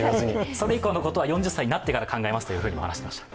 それ以降のことは４０歳になってから考えますとおっしゃっていました。